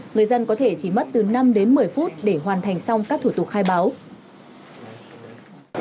người dân có thể chỉ mất từ năm đến một mươi phút để hoàn thành xong các thủ tục khai báo